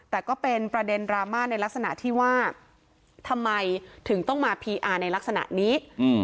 แต่ก็เป็นประเด็นดราม่าในลักษณะที่ว่าทำไมถึงต้องมาพีอาร์ในลักษณะนี้